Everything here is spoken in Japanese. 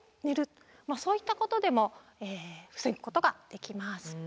そういったことでも防ぐことができます。